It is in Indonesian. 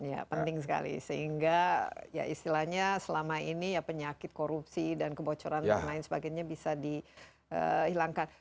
ya penting sekali sehingga ya istilahnya selama ini ya penyakit korupsi dan kebocoran dan lain sebagainya bisa dihilangkan